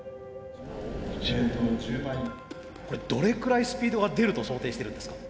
これどれくらいスピードが出ると想定してるんですか？